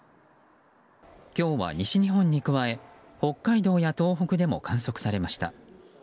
今日は西日本に加え北海道や東北でも観測されました。